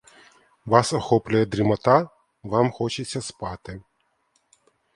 Вас охоплює дрімота, вам хочеться спати.